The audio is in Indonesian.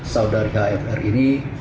saudari hfr ini